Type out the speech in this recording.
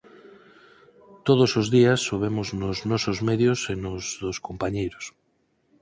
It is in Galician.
Todos os días o vemos nos nosos medios e nos dos compañeiros.